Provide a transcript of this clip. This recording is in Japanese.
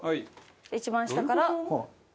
一番下から。